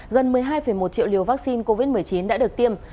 gần một mươi hai một triệu liều vaccine covid một mươi chín đã được tiêm